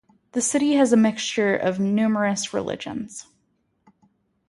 The city has a mixture of numerous religions.